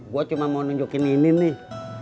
gue cuma mau nunjukin ini nih